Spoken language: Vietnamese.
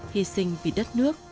hy sinh vì đất nước